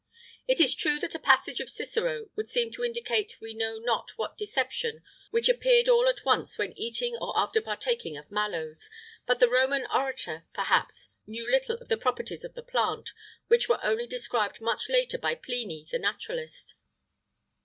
[IX 41] It is true that a passage of Cicero would seem to indicate we know not what deception, which appeared all at once when eating or after partaking of mallows;[IX 42] but the Roman orator, perhaps, knew little of the properties of the plant, which were only described much later by Pliny the naturalist.